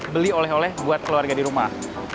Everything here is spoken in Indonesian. beli oleh oleh buat keluarga di rumah